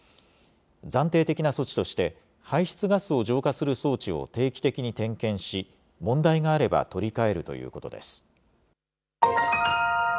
暫定的な措置として、排出ガスを浄化する装置を定期的に点検し、問題があれば取り替えるということです。